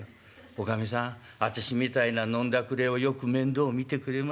『おかみさんあたしみたいな飲んだくれをよく面倒を見てくれます。